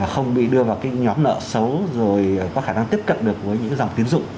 không bị đưa vào cái nhóm nợ xấu rồi có khả năng tiếp cận được với những dòng tiến dụng